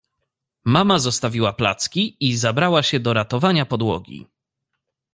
Mama zostawiła placki i zabrała się do ratowania podłogi.